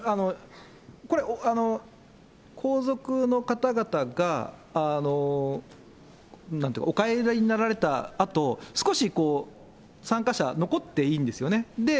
これ、皇族の方々が、お帰りになられたあと、少し参加者、残っていいんですよね。